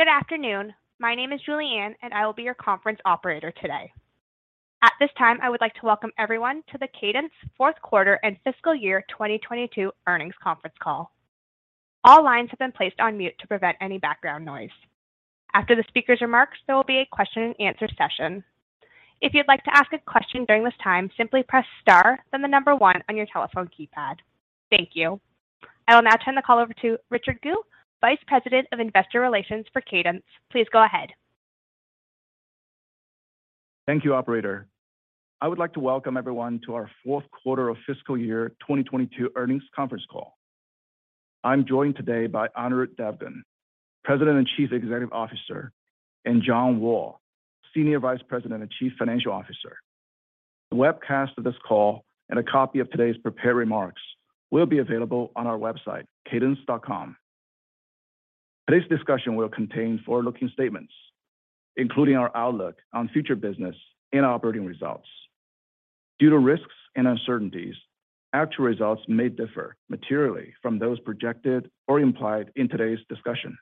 Good afternoon. My name is Julianne, and I will be your conference operator today. At this time, I would like to welcome everyone to the Cadence Q4 and Fiscal Year 2022 Earnings Conference Call. All lines have been placed on mute to prevent any background noise. After the speaker's remarks, there will be a question and answer session. If you'd like to ask a question during this time, simply press star then the one on your telephone keypad. Thank you. I will now turn the call over to Richard Gu, Vice President of Investor Relations for Cadence. Please go ahead. Thank you, operator. I would like to welcome everyone to our Q4 of fiscal year 2022 earnings conference call. I'm joined today by Anirudh Devgan, President and Chief Executive Officer, John Wall, Senior Vice President and Chief Financial Officer. The webcast of this call and a copy of today's prepared remarks will be available on our website, cadence.com. Today's discussion will contain forward-looking statements, including our outlook on future business and operating results. Due to risks and uncertainties, actual results may differ materially from those projected or implied in today's discussion.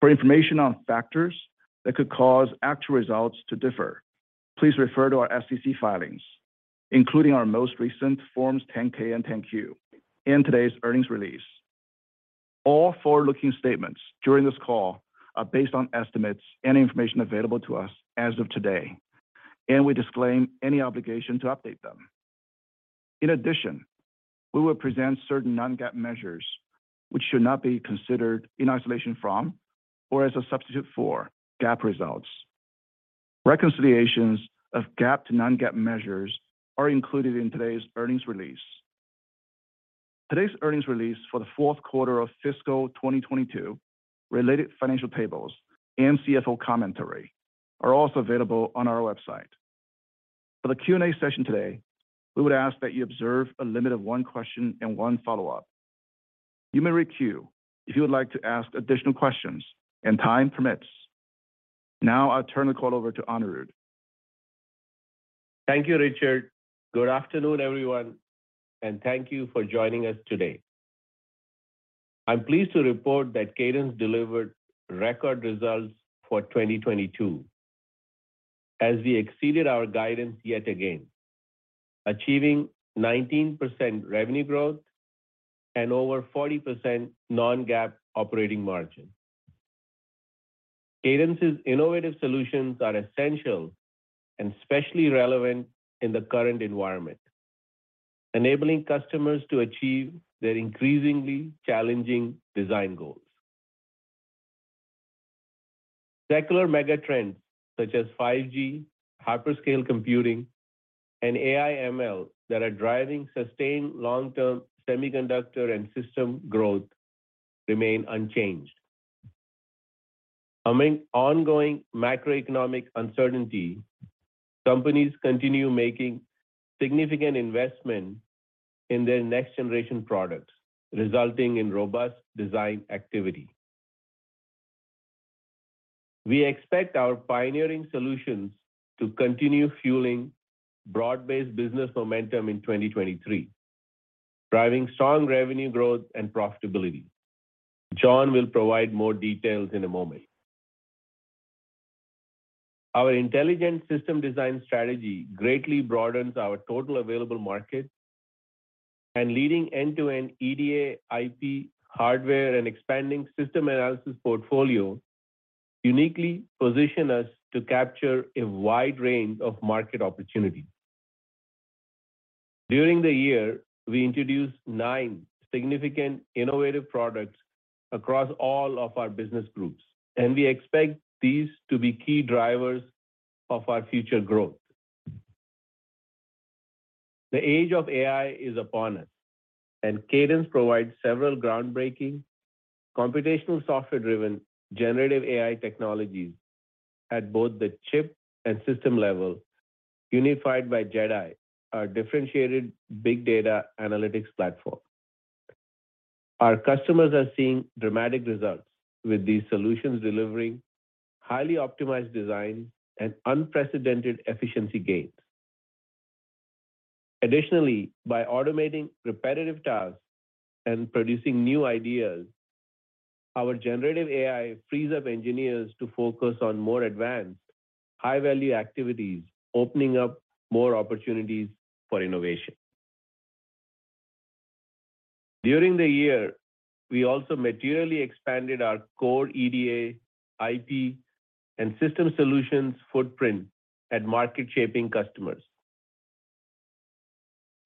For information on factors that could cause actual results to differ, please refer to our SEC filings, including our most recent Forms 10-K and 10-Q in today's earnings release. All forward-looking statements during this call are based on estimates and information available to us as of today, and we disclaim any obligation to update them. We will present certain non-GAAP measures, which should not be considered in isolation from or as a substitute for GAAP results. Reconciliations of GAAP to non-GAAP measures are included in today's earnings release. Today's earnings release for the Q4 of fiscal 2022 related financial tables and CFO commentary are also available on our website. For the Q&A session today, we would ask that you observe a limit of one question and one follow-up. You may re-queue if you would like to ask additional questions and time permits. I'll turn the call over to Anirudh. Thank you, Richard. Good afternoon, everyone, and thank you for joining us today. I'm pleased to report that Cadence delivered record results for 2022 as we exceeded our guidance yet again, achieving 19% revenue growth and over 40% non-GAAP operating margin. Cadence's innovative solutions are essential and especially relevant in the current environment, enabling customers to achieve their increasingly challenging design goals. Secular megatrends such as 5G, hyperscale computing, and AI/ML that are driving sustained long-term semiconductor and system growth remain unchanged. Among ongoing macroeconomic uncertainty, companies continue making significant investment in their next-generation products, resulting in robust design activity. We expect our pioneering solutions to continue fueling broad-based business momentum in 2023, driving strong revenue growth and profitability. John will provide more details in a moment. Our intelligent system design strategy greatly broadens our total available market leading end-to-end EDA IP hardware and expanding system analysis portfolio uniquely position us to capture a wide range of market opportunities. During the year, we introduced nine significant innovative products across all of our business groups, we expect these to be key drivers of our future growth. The age of AI is upon us, Cadence provides several groundbreaking computational software-driven generative AI technologies at both the chip and system level, unified by JedAI, our differentiated big data analytics platform. Our customers are seeing dramatic results with these solutions delivering highly optimized design and unprecedented efficiency gains. Additionally, by automating repetitive tasks and producing new ideas, our generative AI frees up engineers to focus on more advanced high-value activities, opening up more opportunities for innovation. During the year, we also materially expanded our core EDA, IP, and system solutions footprint at market-shaping customers.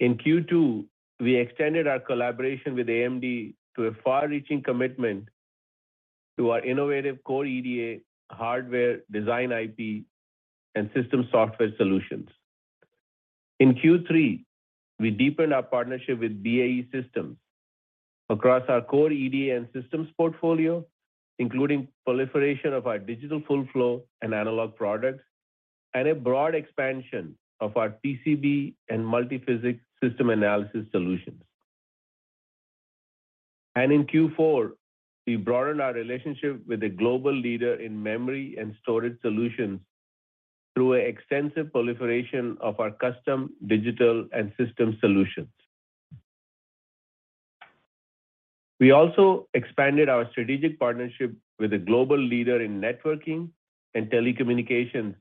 In Q2, we extended our collaboration with AMD to a far-reaching commitment to our innovative core EDA hardware design IP and system software solutions. In Q3, we deepened our partnership with BAE Systems across our core EDA and systems portfolio, including proliferation of our digital full flow and analog products, and a broad expansion of our PCB and multiphysics system analysis solutions. In Q4, we broadened our relationship with a global leader in memory and storage solutions through an extensive proliferation of our custom digital and system solutions. We also expanded our strategic partnership with a global leader in networking and telecommunications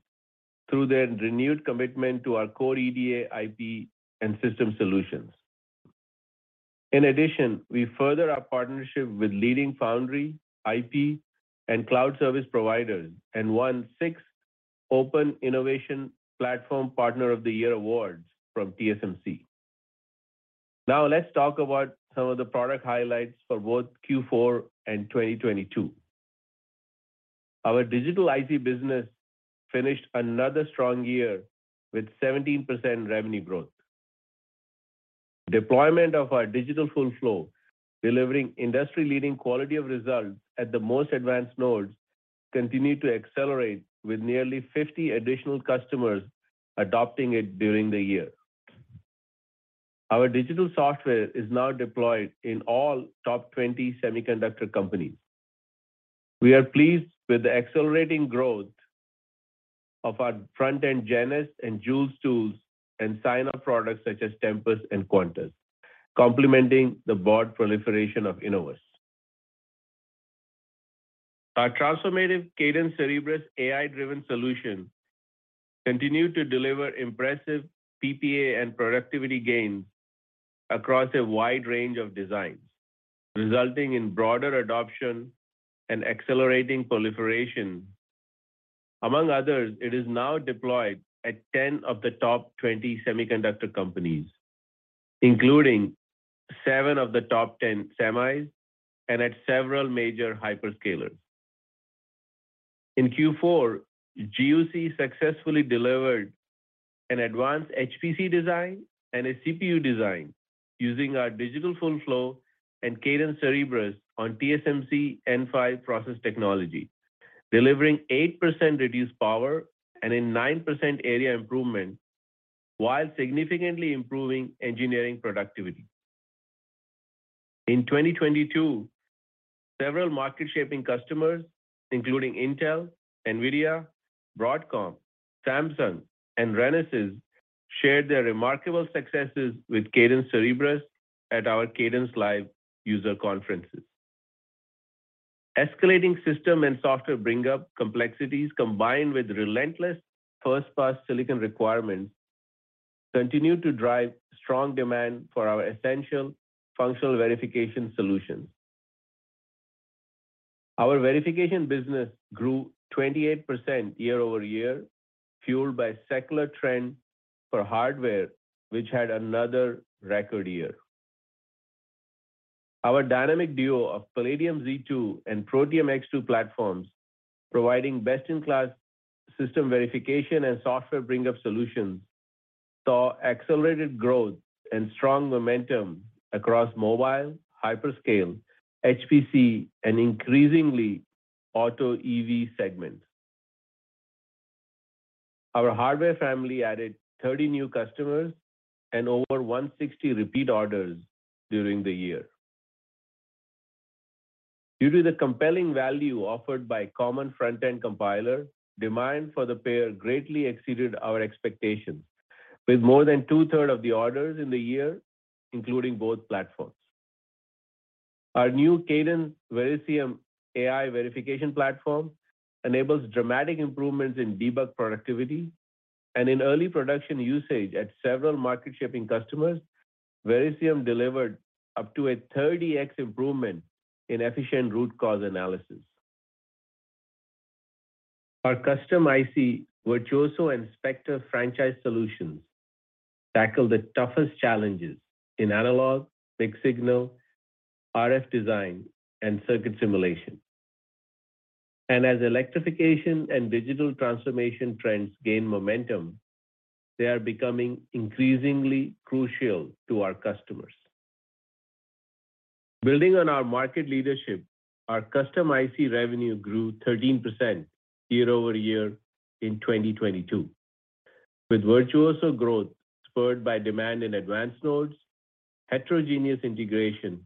through their renewed commitment to our core EDA IP and system solutions. In addition, we further our partnership with leading foundry, IP, and cloud service providers, won 6 Open Innovation Platform Partner of the Year awards from TSMC. Let's talk about some of the product highlights for both Q4 and 2022. Our digital IP business finished another strong year with 17% revenue growth. Deployment of our digital full flow, delivering industry-leading quality of results at the most advanced nodes, continued to accelerate with nearly 50 additional customers adopting it during the year. Our digital software is now deployed in all top 20 semiconductor companies. We are pleased with the accelerating growth of our front-end Genus and Joules tools and sign-off products such as Tempus and Quantus, complementing the broad proliferation of Innovus. Our transformative Cadence Cerebrus AI-driven solution continued to deliver impressive PPA and productivity gains across a wide range of designs, resulting in broader adoption and accelerating proliferation. Among others, it is now deployed at 10 of the top 20 semiconductor companies, including 7 of the top 10 semis and at several major hyperscalers. In Q4, GUC successfully delivered an advanced HPC design and a CPU design using our digital full flow and Cadence Cerebrus on TSMC N5 process technology, delivering 8% reduced power and a 9% area improvement, while significantly improving engineering productivity. In 2022, several market-shaping customers, including Intel, NVIDIA, Broadcom, Samsung, and Renesas, shared their remarkable successes with Cadence Cerebrus at our Cadence Live user conferences. Escalating system and software bring up complexities combined with relentless first-pass silicon requirements continued to drive strong demand for our essential functional verification solutions. Our verification business grew 28% year-over-year, fueled by secular trend for hardware, which had another record year. Our dynamic duo of Palladium Z2 and Protium X2 platforms, providing best-in-class system verification and software bring-up solutions, saw accelerated growth and strong momentum across mobile, hyperscale, HPC, and increasingly auto EV segments. Our hardware family added 30 new customers and over 160 repeat orders during the year. Due to the compelling value offered by common front-end compiler, demand for the pair greatly exceeded our expectations, with more than two-thirds of the orders in the year, including both platforms. Our new Cadence Verisium AI Verification Platform enables dramatic improvements in debug productivity and in early production usage at several market-shaping customers. Verisium delivered up to a 30x improvement in efficient root cause analysis. Our custom IC Virtuoso and Spectre franchise solutions tackle the toughest challenges in analog, mixed-signal, RF design, and circuit simulation. As electrification and digital transformation trends gain momentum, they are becoming increasingly crucial to our customers. Building on our market leadership, our custom IC revenue grew 13% year-over-year in 2022, with Virtuoso growth spurred by demand in advanced nodes, heterogeneous integration,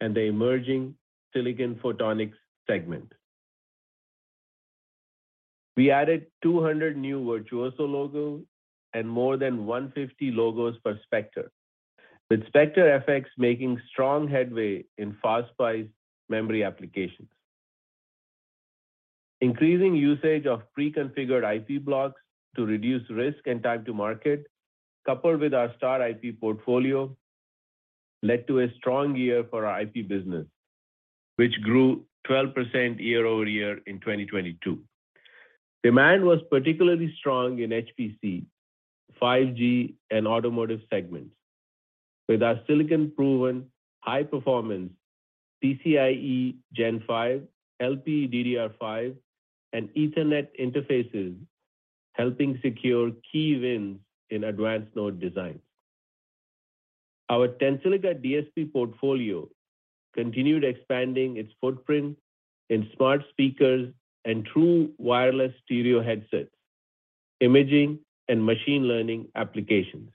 and the emerging silicon photonics segment. We added 200 new Virtuoso logo and more than 150 logos for Spectre, with Spectre FX making strong headway in FastSPICE memory applications. Increasing usage of pre-configured IP blocks to reduce risk and time to market, coupled with our star IP portfolio, led to a strong year for our IP business, which grew 12% year-over-year in 2022. Demand was particularly strong in HPC, 5G, and automotive segments, with our silicon-proven high-performance PCIe Gen 5, LPDDR5, and Ethernet interfaces helping secure key wins in advanced node designs. Our Tensilica DSP portfolio continued expanding its footprint in smart speakers and true wireless stereo headsets, imaging, and machine learning applications.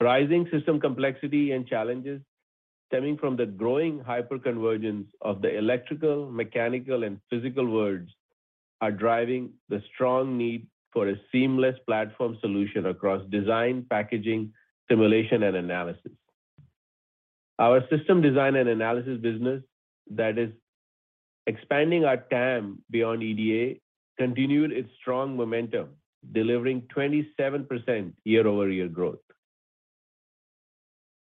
Rising system complexity and challenges stemming from the growing hyperconvergence of the electrical, mechanical, and physical worlds are driving the strong need for a seamless platform solution across design, packaging, simulation, and analysis. Our system design and analysis business that is expanding our TAM beyond EDA continued its strong momentum, delivering 27% year-over-year growth.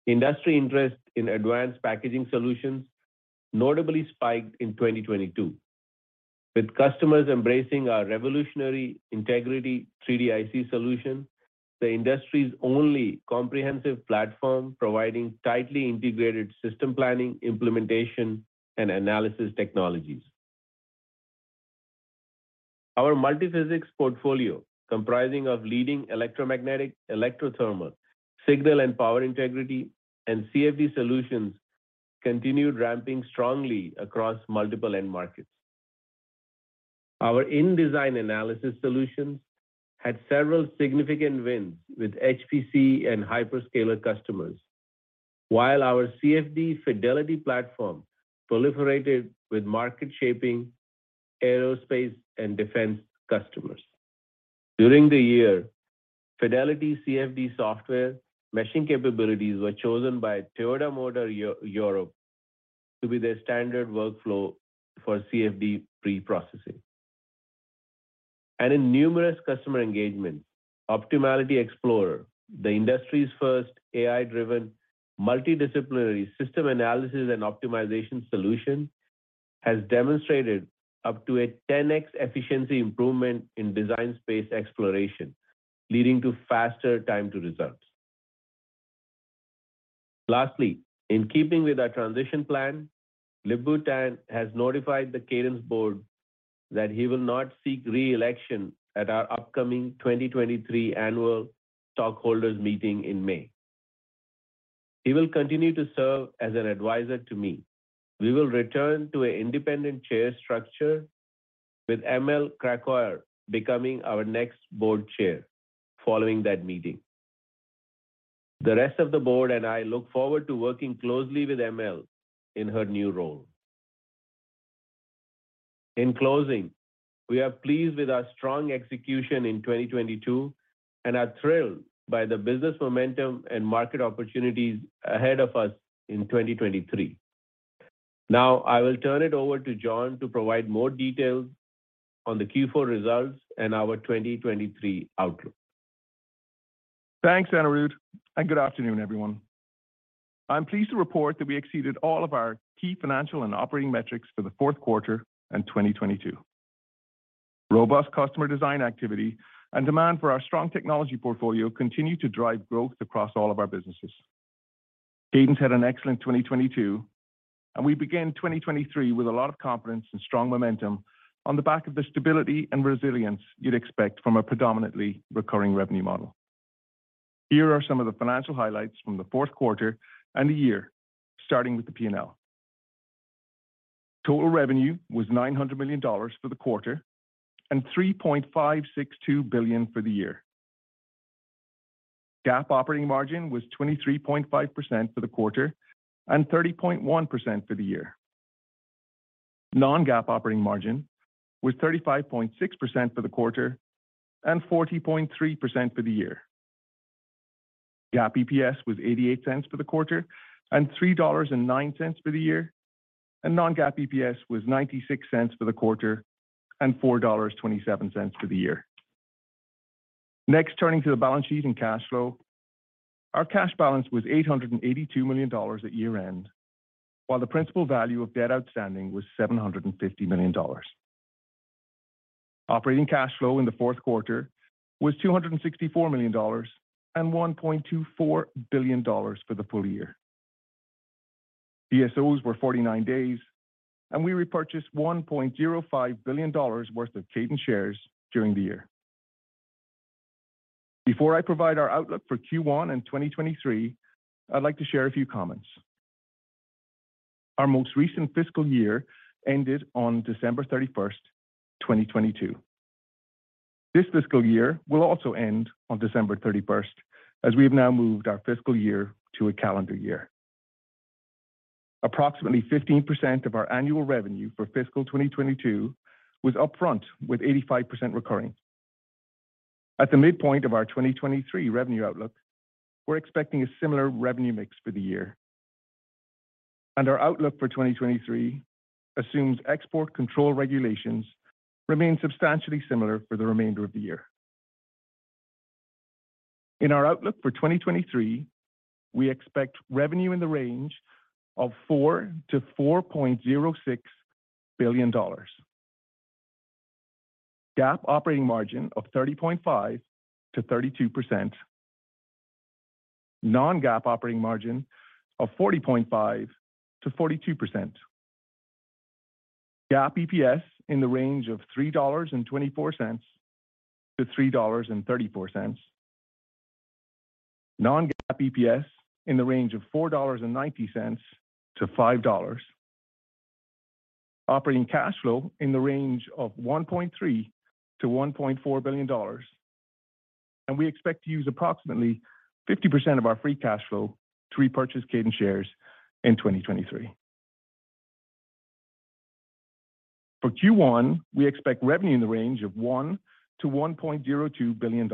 Industry interest in advanced packaging solutions notably spiked in 2022, with customers embracing our revolutionary Integrity 3D-IC solution, the industry's only comprehensive platform providing tightly integrated system planning, implementation, and analysis technologies. Our multiphysics portfolio, comprising of leading electromagnetic, electro-thermal, signal and power integrity, and CFD solutions, continued ramping strongly across multiple end markets. Our in-design analysis solutions had several significant wins with HPC and hyperscaler customers, while our CFD Fidelity platform proliferated with market-shaping aerospace and defense customers. During the year, Fidelity CFD software meshing capabilities were chosen by Toyota Motor Europe to be their standard workflow for CFD preprocessing. In numerous customer engagements, Optimality Explorer, the industry's first AI-driven multidisciplinary system analysis and optimization solution, has demonstrated up to a 10x efficiency improvement in design space exploration, leading to faster time to results. Lastly, in keeping with our transition plan, Lip-Bu Tan has notified the Cadence board that he will not seek re-election at our upcoming 2023 annual stockholders meeting in May. He will continue to serve as an advisor to me. We will return to an independent chair structure with ML Krakauer becoming our next Board Chair following that meeting. The rest of the board and I look forward to working closely with ML in her new role. In closing, we are pleased with our strong execution in 2022 and are thrilled by the business momentum and market opportunities ahead of us in 2023. I will turn it over to John to provide more details on the Q4 results and our 2023 outlook. Thanks, Anirudh, and good afternoon, everyone. I'm pleased to report that we exceeded all of our key financial and operating metrics for the Q4 and 2022. Robust customer design activity and demand for our strong technology portfolio continue to drive growth across all of our businesses. Cadence had an excellent 2022, and we began 2023 with a lot of confidence and strong momentum on the back of the stability and resilience you'd expect from a predominantly recurring revenue model. Here are some of the financial highlights from the Q4 and the year, starting with the P&L. Total revenue was $900 million for the quarter and $3.562 billion for the year. GAAP operating margin was 23.5% for the quarter and 30.1% for the year. non-GAAP operating margin was 35.6% for the quarter and 40.3% for the year. GAAP EPS was $0.88 for the quarter and $3.09 for the year, and non-GAAP EPS was $0.96 for the quarter and $4.27 for the year. Next, turning to the balance sheet and cash flow. Our cash balance was $882 million at year-end, while the principal value of debt outstanding was $750 million. Operating cash flow in the Q4 was $264 million and $1.24 billion for the full year. DSOs were 49 days, and we repurchased $1.05 billion worth of Cadence shares during the year. Before I provide our outlook for Q1 and 2023, I'd like to share a few comments. Our most recent fiscal year ended on December 31st, 2022. This fiscal year will also end on December 31st, as we have now moved our fiscal year to a calendar year. Approximately 15% of our annual revenue for fiscal 2022 was upfront, with 85% recurring. At the midpoint of our 2023 revenue outlook, we're expecting a similar revenue mix for the year. Our outlook for 2023 assumes export control regulations remain substantially similar for the remainder of the year. In our outlook for 2023, we expect revenue in the range of $4 to 4.06 billion. GAAP operating margin of 30.5% to 32%. Non-GAAP operating margin of 40.5%-42%. GAAP EPS in the range of $3.24 to 3.34. Non-GAAP EPS in the range of $4.90 to 5.00. Operating cash flow in the range of $1.3 to 1.4 billion. We expect to use approximately 50% of our free cash flow to repurchase Cadence shares in 2023. For Q1, we expect revenue in the range of $1 to 1.02 billion.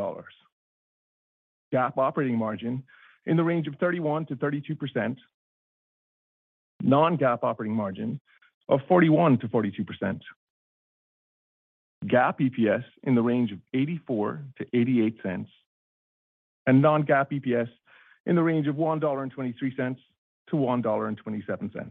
GAAP operating margin in the range of 31% to 32%. Non-GAAP operating margin of 41% to 42%. GAAP EPS in the range of $0.84 to 0.88, and non-GAAP EPS in the range of $1.23 to 1.27.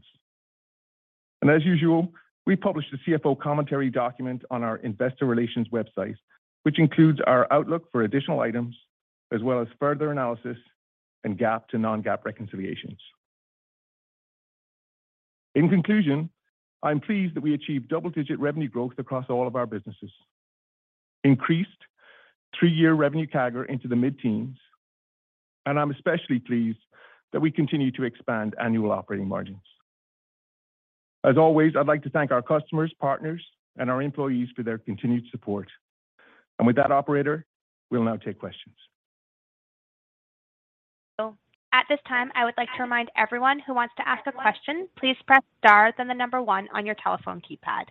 As usual, we published the CFO commentary document on our investor relations website, which includes our outlook for additional items as well as further analysis in GAAP to non-GAAP reconciliations. In conclusion, I'm pleased that we achieved double-digit revenue growth across all of our businesses, increased three-year revenue CAGR into the mid-teens, and I'm especially pleased that we continue to expand annual operating margins. As always, I'd like to thank our customers, partners, and our employees for their continued support. With that, operator, we'll now take questions. At this time, I would like to remind everyone who wants to ask a question, please press star then the number one on your telephone keypad.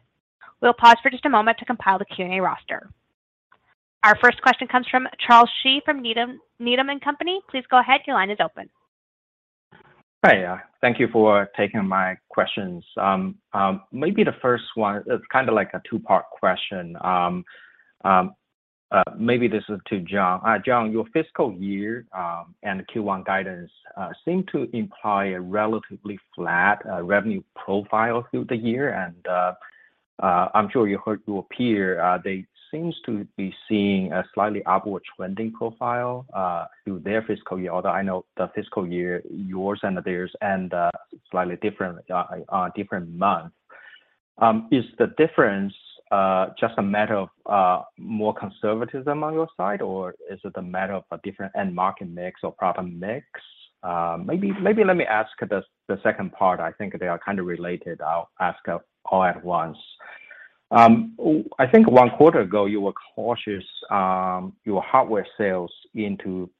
We'll pause for just a moment to compile the Q&A roster. Our first question comes from Charles Shi from Needham & Company. Please go ahead, your line is open. Hi. Thank you for taking my questions. Maybe the first one is kind of like a 2-part question. Maybe this is to John. John, your fiscal year, and the Q1 guidance, seem to imply a relatively flat, revenue profile through the year. I'm sure you heard your peer, they seems to be seeing a slightly upward trending profile, through their fiscal year. Although I know the fiscal year, yours and theirs end, slightly different month. Is the difference, just a matter of, more conservatism on your side, or is it a matter of a different end market mix or product mix? Maybe, maybe let me ask the second part. I think they are kind of related. I'll ask all at once. I think one quarter ago you were cautious, your hardware sales into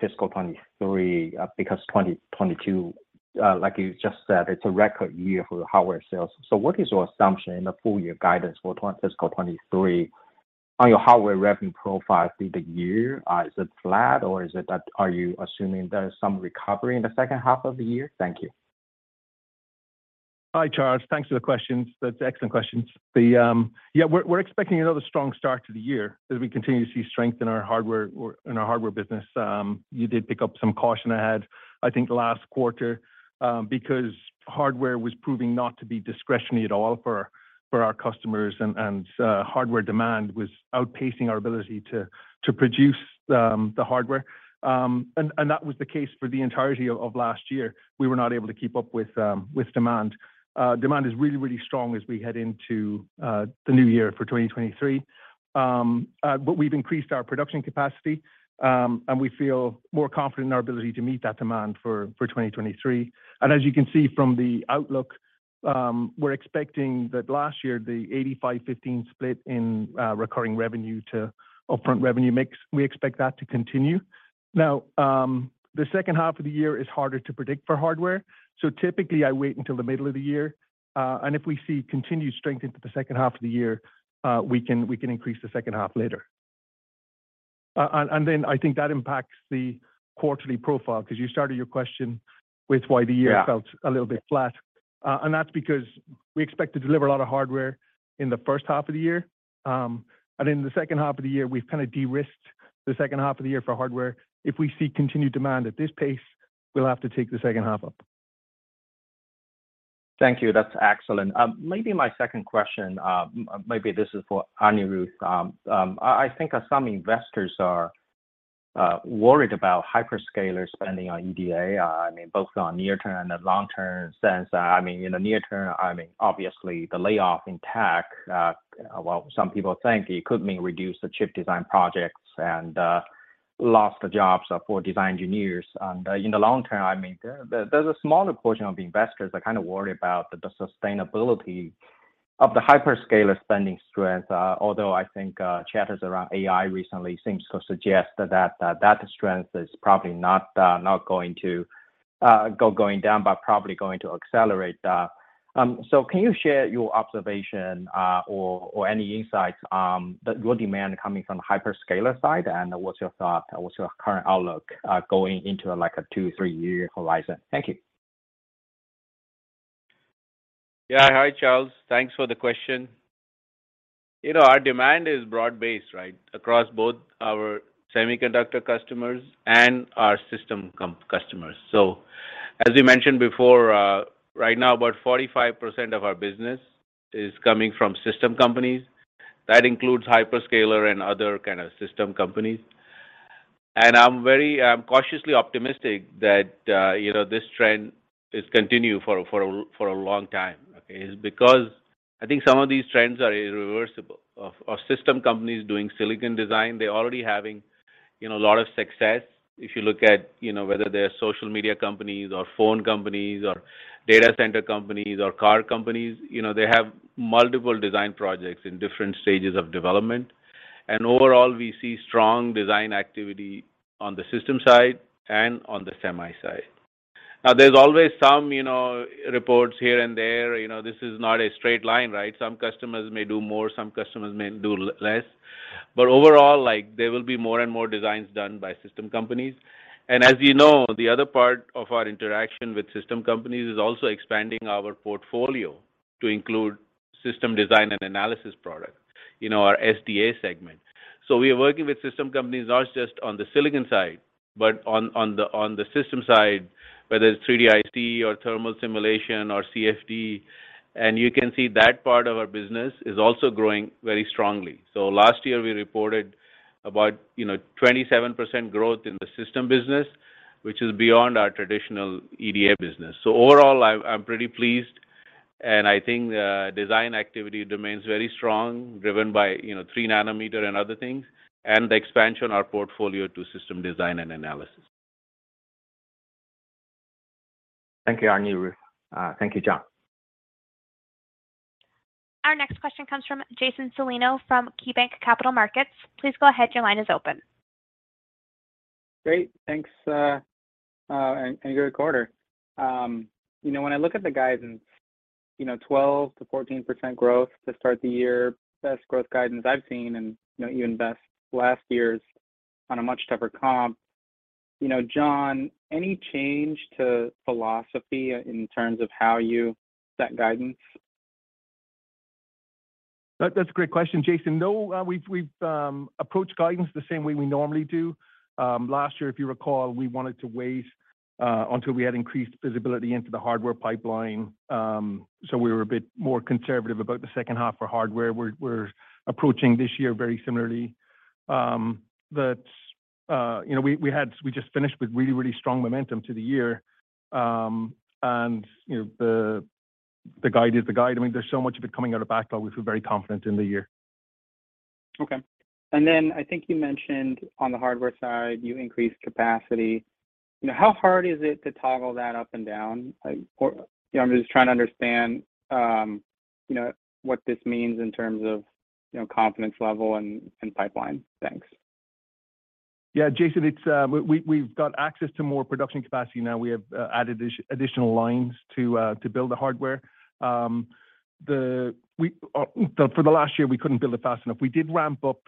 fiscal 2023, because 2022, like you just said, it's a record year for the hardware sales. What is your assumption in the full year guidance for fiscal 2023 on your hardware revenue profile through the year? Is it flat or is it that, are you assuming there is some recovery in the second half of the year? Thank you. Hi, Charles. Thanks for the questions. That's excellent questions. Yeah, we're expecting another strong start to the year as we continue to see strength in our hardware business. You did pick up some caution I had, I think last quarter, because hardware was proving not to be discretionary at all for our customers and hardware demand was outpacing our ability to produce the hardware. That was the case for the entirety of last year. We were not able to keep up with demand. Demand is really, really strong as we head into the new year for 2023. We've increased our production capacity, and we feel more confident in our ability to meet that demand for 2023. As you can see from the outlook, we're expecting that last year, the 85/15 split in recurring revenue to upfront revenue mix, we expect that to continue. Now, the second half of the year is harder to predict for hardware. Typically I wait until the middle of the year, and if we see continued strength into the second half of the year, we can increase the second half later. Then I think that impacts the quarterly profile because you started your question with why the year a little bit flat. That's because we expect to deliver a lot of hardware in the first half of the year. In the second half of the year, we've kinda de-risked the second half of the year for hardware. If we see continued demand at this pace, we'll have to take the second half up. Thank you. That's excellent. Maybe my second question, maybe this is for Anirudh Devgan. I think some investors are worried about hyperscaler spending on EDA, I mean both on near-term and long-term sense. I mean in the near term, I mean obviously the layoff in tech, well some people think it could mean reduce the chip design projects and lost jobs for design engineers. In the long term, I mean there's a smaller portion of investors that kind of worry about the sustainability of the hyperscaler spending strength. Although I think chat is around AI recently seems to suggest that strength is probably not not going to going down, but probably going to accelerate. Can you share your observation or any insights, the growth demand coming from the hyperscaler side, and what's your current outlook going into like a 2, 3-year horizon? Thank you. Yeah. Hi, Charles. Thanks for the question. You know, our demand is broad-based, right? Across both our semiconductor customers and our system customers. As we mentioned before, right now about 45% of our business is coming from system companies. That includes hyperscaler and other kind of system companies. I'm very, I'm cautiously optimistic that, you know, this trend is continue for a long time. Okay. Is because I think some of these trends are irreversible. Of system companies doing silicon design, they're already having, you know, a lot of success. If you look at, you know, whether they're social media companies or phone companies or data center companies or car companies, you know, they have multiple design projects in different stages of development. Overall we see strong design activity on the system side and on the semi side. There's always some, you know, reports here and there. You know, this is not a straight line, right? Some customers may do more, some customers may do less. Overall, like, there will be more and more designs done by system companies. As you know, the other part of our interaction with system companies is also expanding our portfolio to include system design and analysis products, you know, our SDA segment. We are working with system companies not just on the silicon side, but on the system side, whether it's 3D IC or thermal simulation or CFD. You can see that part of our business is also growing very strongly. Last year we reported about, you know, 27% growth in the system business, which is beyond our traditional EDA business. Overall, I'm pretty pleased, and I think the design activity remains very strong, driven by, you know, 3 nanometer and other things, and the expansion of our portfolio to system design and analysis. Thank you, Anirudh. Thank you, John. Our next question comes from Jason Celino from KeyBanc Capital Markets. Please go ahead, your line is open. Great. Thanks, great quarter. You know, when I look at the guidance, you know, 12%-14% growth to start the year, best growth guidance I've seen and, you know, even best last year's on a much tougher comp. You know, John, any change to philosophy in terms of how you set guidance? That's a great question, Jason. No, we've approached guidance the same way we normally do. Last year, if you recall, we wanted to wait until we had increased visibility into the hardware pipeline, so we were a bit more conservative about the second half for hardware. We're approaching this year very similarly. You know, we just finished with really, really strong momentum to the year, and, you know, the guide is the guide. I mean, there's so much of it coming out of backlog, we feel very confident in the year. Okay. I think you mentioned on the hardware side, you increased capacity. You know, how hard is it to toggle that up and down? You know, I'm just trying to understand, you know, what this means in terms of, you know, confidence level and pipeline. Thanks. Yeah, Jason, it's, we've got access to more production capacity now. We have added additional lines to build the hardware. For the last year, we couldn't build it fast enough. We did ramp up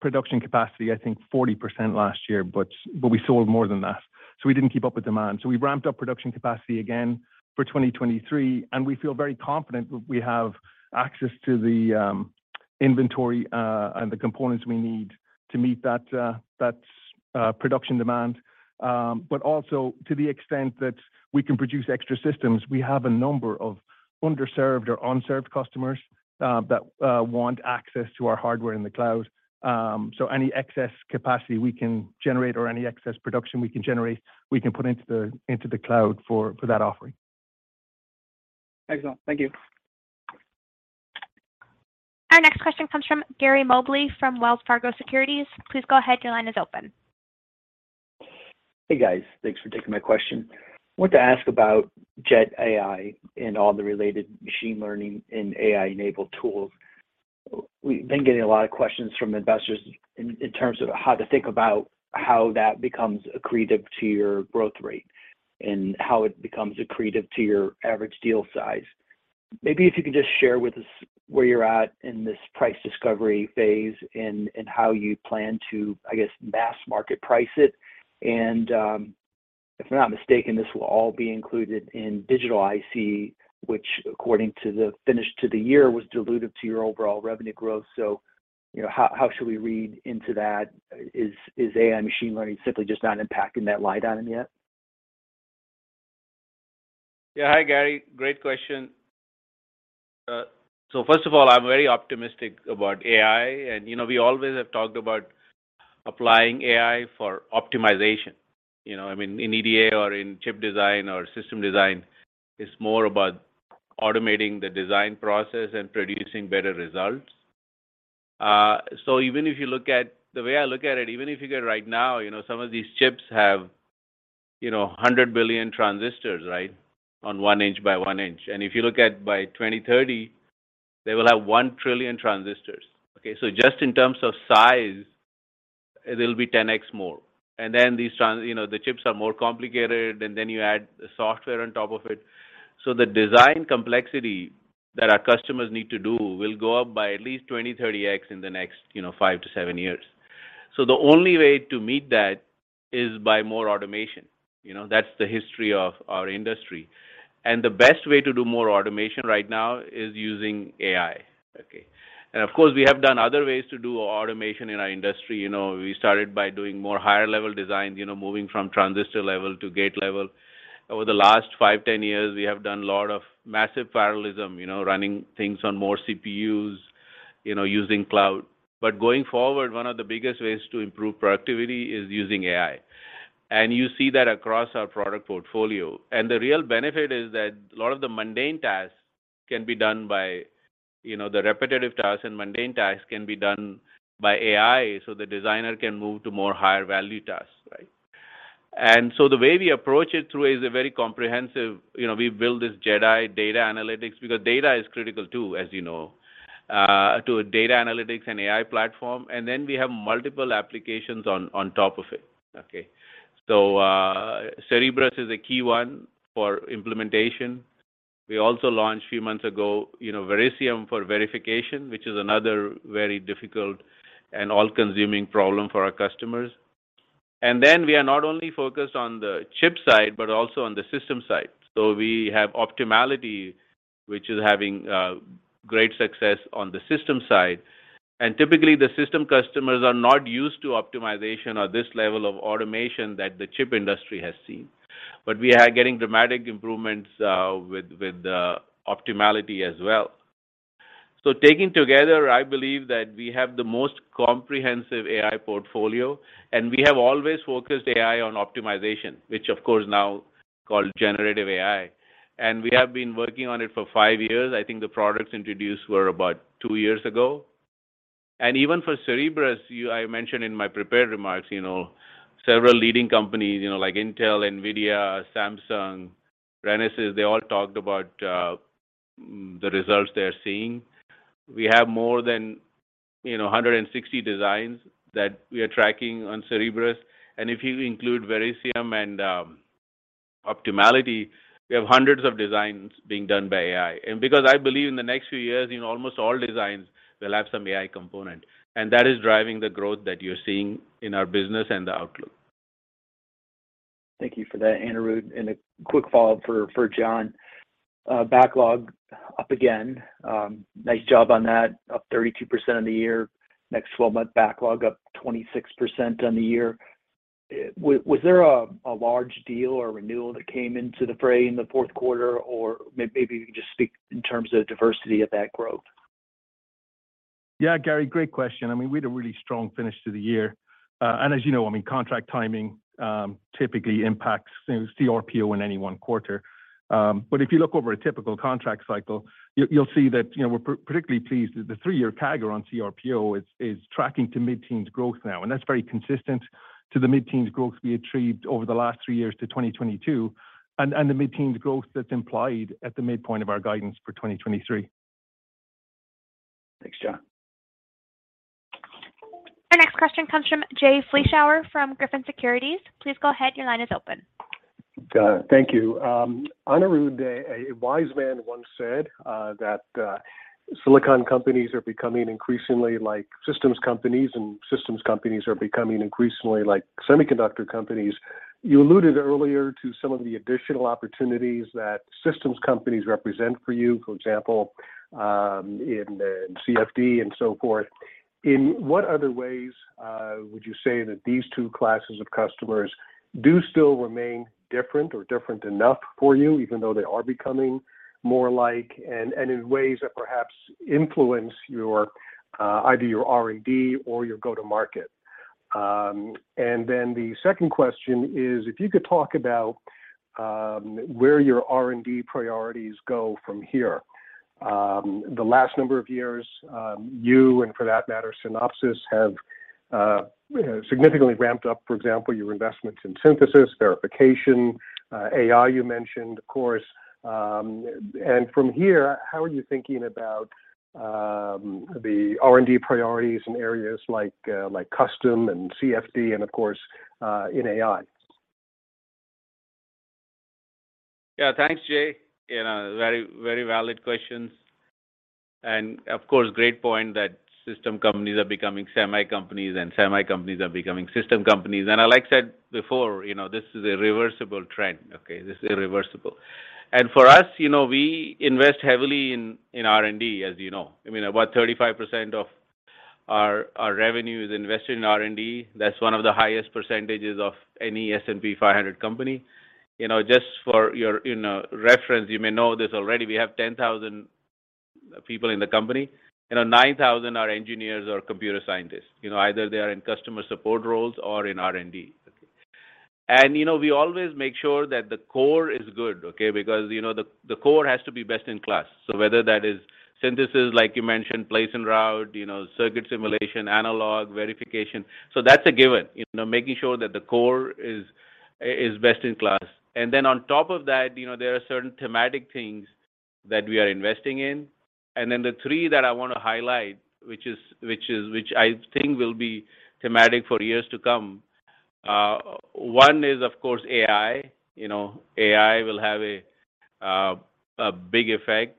production capacity I think 40% last year, but we sold more than that, we didn't keep up with demand. We ramped up production capacity again for 2023, we feel very confident that we have access to the inventory and the components we need to meet that production demand. Also to the extent that we can produce extra systems, we have a number of underserved or unserved customers that want access to our hardware in the cloud. Any excess capacity we can generate or any excess production we can generate, we can put into the cloud for that offering. Excellent. Thank you. Our next question comes from Gary Mobley from Wells Fargo Securities. Please go ahead, your line is open. Hey, guys. Thanks for taking my question. I wanted to ask about JedAI and all the related machine learning and AI-enabled tools. We've been getting a lot of questions from investors in terms of how to think about how that becomes accretive to your growth rate and how it becomes accretive to your average deal size. Maybe if you could just share with us where you're at in this price discovery phase and how you plan to, I guess, mass market price it. If I'm not mistaken, this will all be included in digital IC, which according to the finish to the year, was dilutive to your overall revenue growth. You know, how should we read into that? Is AI machine learning simply just not impacting that line item yet? Yeah. Hi, Gary. Great question. First of all, I'm very optimistic about AI, and you know, we always have talked about applying AI for optimization. You know, I mean, in EDA or in chip design or system design, it's more about automating the design process and producing better results. Even if you look at the way I look at it, even if you get right now, you know, some of these chips have, you know, 100 billion transistors, right, on 1 inch by 1 inch. Then if you look at by 2030, they will have 1 trillion transistors, okay? So just in terms of size, it'll be 10x more. Then these, you know, the chips are more complicated, and then you add the software on top of it. The design complexity that our customers need to do will go up by at least 20, 30x in the next, you know, 5 to 7 years. The only way to meet that is by more automation. You know, that's the history of our industry. The best way to do more automation right now is using AI, okay. Of course, we have done other ways to do automation in our industry. You know, we started by doing more higher level designs, you know, moving from transistor level to gate level. Over the last five, 10 years, we have done a lot of massive parallelism, you know, running things on more CPUs, you know, using cloud. Going forward, one of the biggest ways to improve productivity is using AI. You see that across our product portfolio. The real benefit is that a lot of the mundane tasks can be done by, you know, the repetitive tasks and mundane tasks can be done by AI, so the designer can move to more higher value tasks, right. The way we approach it through is a very comprehensive, you know, we build this JedAI data analytics, because data is critical too, as you know, to a data analytics and AI platform, and then we have multiple applications on top of it. Cerebrus is a key one for implementation. We also launched a few months ago, you know, Verisium for verification, which is another very difficult and all-consuming problem for our customers. We are not only focused on the chip side, but also on the system side. We have Optimality, which is having great success on the system side. Typically, the system customers are not used to optimization or this level of automation that the chip industry has seen. We are getting dramatic improvements, with Optimality as well. Taken together, I believe that we have the most comprehensive AI portfolio, and we have always focused AI on optimization, which of course now called generative AI. We have been working on it for five years. I think the products introduced were about two years ago. Even for Cerebrus, I mentioned in my prepared remarks, you know, several leading companies, you know, like Intel, NVIDIA, Samsung, Renesas, they all talked about the results they are seeing. We have more than, you know, 160 designs that we are tracking on Cerebrus. If you include Verisium and Optimality, we have hundreds of designs being done by AI. Because I believe in the next few years, you know, almost all designs will have some AI component, and that is driving the growth that you're seeing in our business and the outlook. Thank you for that, Anirudh. A quick follow-up for John. Backlog up again. Nice job on that. Up 32% on the year. Next 12-month backlog up 26% on the year. Was there a large deal or renewal that came into the fray in the Q4? Or maybe you could just speak in terms of diversity of that growth. Yeah, Gary, great question. I mean, we had a really strong finish to the year. As you know, I mean, contract timing typically impacts CRPO in any one quarter. If you look over a typical contract cycle, you'll see that, you know, we're particularly pleased that the 3-year CAGR on CRPO is tracking to mid-teens growth now, and that's very consistent to the mid-teens growth we had achieved over the last 3 years to 2022 and the mid-teens growth that's implied at the midpoint of our guidance for 2023. Thanks, John. Our next question comes from Jay Vleeschhouwer from Griffin Securities. Please go ahead. Your line is open. Got it. Thank you. Anirudh, a wise man once said that silicon companies are becoming increasingly like systems companies, and systems companies are becoming increasingly like semiconductor companies. You alluded earlier to some of the additional opportunities that systems companies represent for you, for example, in CFD and so forth. In what other ways would you say that these two classes of customers do still remain different or different enough for you, even though they are becoming more alike and in ways that perhaps influence your either your R&D or your go-to-market? And then the second question is if you could talk about where your R&D priorities go from here? The last number of years, you, and for that matter, Synopsys, have, you know, significantly ramped up, for example, your investments in synthesis, verification, AI you mentioned, of course. From here, how are you thinking about the R&D priorities in areas like like custom and CFD and of course, in AI? Yeah. Thanks, Jay. You know, very, very valid questions. Of course, great point that system companies are becoming semi companies and semi companies are becoming system companies. Like I said before, you know, this is a reversible trend, okay? This is irreversible. For us, you know, we invest heavily in R&D, as you know. I mean, about 35% of our revenue is invested in R&D. That's one of the highest percentages of any S&P 500 company. You know, just for your, you know, reference, you may know this already. We have 10,000 people in the company. You know, 9,000 are engineers or computer scientists. You know, either they are in customer support roles or in R&D. You know, we always make sure that the core is good, okay? Because, you know, the core has to be best in class. Whether that is synthesis, like you mentioned, place and route, you know, circuit simulation, analog, verification. That's a given, you know, making sure that the core is best in class. On top of that, you know, there are certain thematic things that we are investing in. The three that I wanna highlight, which is, which I think will be thematic for years to come, one is, of course, AI. You know, AI will have a big effect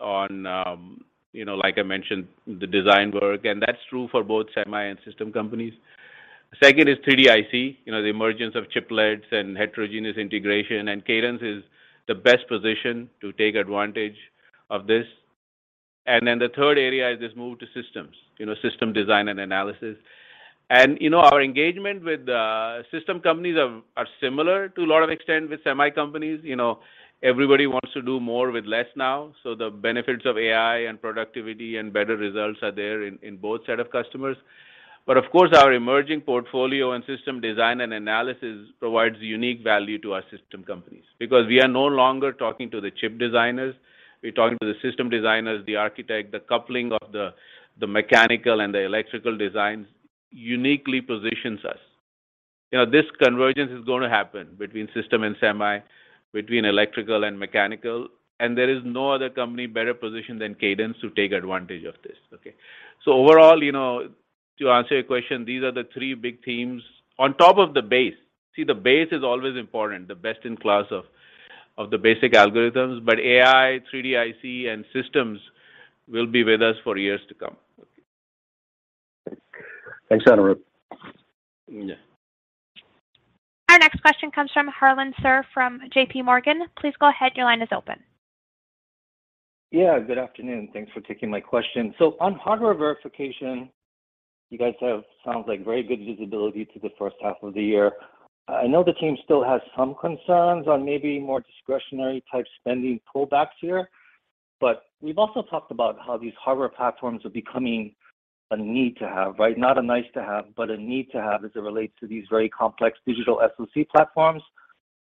on, you know, like I mentioned, the design work, and that's true for both semi and system companies. Second is 3D IC, you know, the emergence of chiplets and heterogeneous integration, and Cadence is the best position to take advantage of this. The third area is this move to systems, you know, system design and analysis. You know, our engagement with system companies are similar to a lot of extent with semi companies. You know, everybody wants to do more with less now, so the benefits of AI and productivity and better results are there in both set of customers. Of course, our emerging portfolio and system design and analysis provides unique value to our system companies. We are no longer talking to the chip designers, we're talking to the system designers, the architect. The coupling of the mechanical and the electrical designs uniquely positions us. You know, this convergence is gonna happen between system and semi, between electrical and mechanical, and there is no other company better positioned than Cadence to take advantage of this, okay? Overall, you know-To answer your question, these are the three big themes on top of the base. See, the base is always important, the best in class of the basic algorithms. AI, 3D IC, and systems will be with us for years to come. Thanks, Anirudh. Yeah. Our next question comes from Harlan Sur from J.P. Morgan. Please go ahead. Your line is open. Yeah. Good afternoon. Thanks for taking my question. On hardware verification, you guys have, sounds like very good visibility to the first half of the year. I know the team still has some concerns on maybe more discretionary type spending pullbacks here, but we've also talked about how these hardware platforms are becoming a need to have, right? Not a nice to have, but a need to have as it relates to these very complex digital SoC platforms.